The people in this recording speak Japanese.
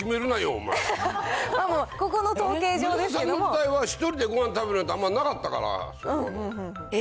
俺の時代は、１人でごはん食べるってあんまなかったから。